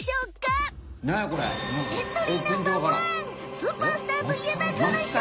スーパースターといえばこのひと！